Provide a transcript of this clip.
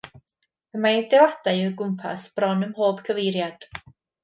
Y mae adeiladau o'i gwmpas bron ym mhob cyfeiriad.